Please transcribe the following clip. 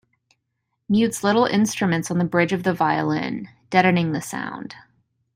Mutes little instruments on the bridge of the violin, deadening the sound.